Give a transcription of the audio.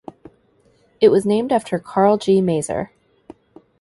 It was named after Karl G. Maeser.